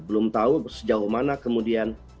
belum tahu sejauh mana kemudian